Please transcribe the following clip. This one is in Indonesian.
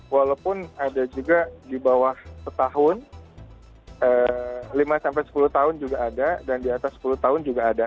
walaupun ada juga di bawah setahun lima sampai sepuluh tahun juga ada dan di atas sepuluh tahun juga ada